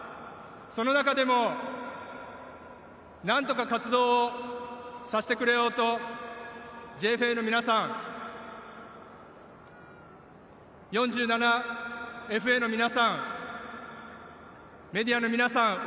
その中でも何とか活動をさせてくれようとＪＦＡの皆さん４７ＦＡの皆さんメディアの皆さん